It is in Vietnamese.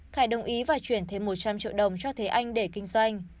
khải đồng ý và chuyển thêm một trăm linh triệu đồng cho thế anh để kinh doanh